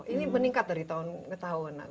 ini meningkat dari tahun ke tahun